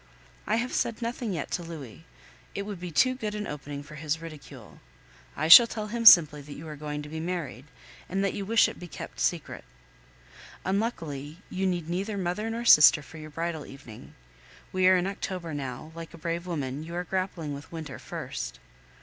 I have said nothing yet to Louis; it would be too good an opening for his ridicule. I shall tell him simply that you are going to be married, and that you wish it kept secret. Unluckily, you need neither mother nor sister for your bridal evening. We are in October now; like a brave woman, you are grappling with winter first.